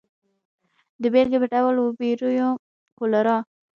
د بېلګې په ډول وبریو کولرا.